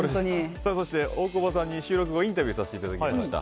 そして、大久保さんに収録後インタビューさせていただきました。